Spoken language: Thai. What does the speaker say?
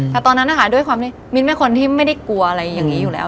แต่ตอนนั้นนะคะด้วยความที่มิ้นเป็นคนที่ไม่ได้กลัวอะไรอย่างนี้อยู่แล้ว